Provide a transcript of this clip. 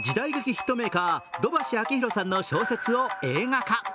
ヒットメーカー土橋章宏さんの小説を映画化。